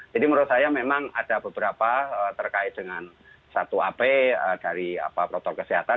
jadi menurut saya memang ada beberapa terkait dengan satu abe dari protokol kesehatan